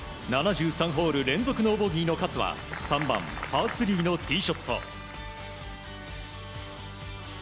７３ホール連続のボギーの勝は３番、パー３のティーショット。